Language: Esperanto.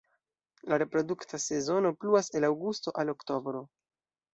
La reprodukta sezono pluas el aŭgusto al oktobro.